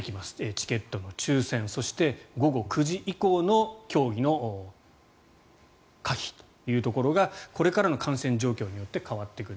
チケットの抽選そして、午後９時以降の競技の可否というところがこれからの感染状況によって変わってくる。